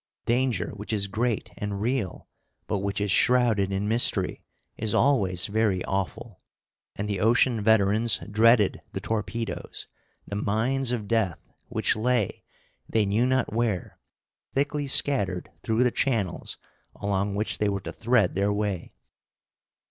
Danger which is great and real, but which is shrouded in mystery, is always very awful; and the ocean veterans dreaded the torpedoes the mines of death which lay, they knew not where, thickly scattered through the channels along which they were to thread their way.